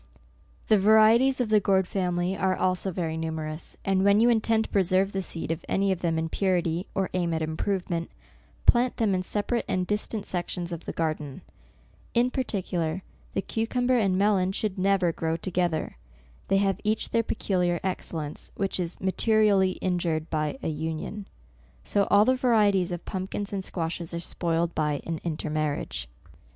The varieties of the gourd family are also very numerous, and when you intend to pre serve the seed of any of them in purity, or aim at improvement, plant them in separate and distant sections of the garden. In par ticular, the cucumber and melon should never grow together. They have each their pecu liar excellence, which is materially injured by an union. So all the varieties of pumpkins and squashes are spoiled by an intermar riage.